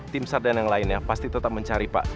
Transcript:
timstar dan yang lainnya pasti tetap mencari pak